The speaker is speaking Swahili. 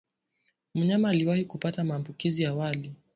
Mnyama aliwahi kupata maambukizi awali